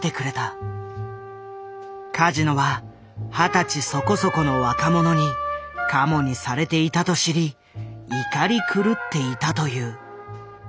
カジノは二十歳そこそこの若者にカモにされていたと知り怒り狂っていたという。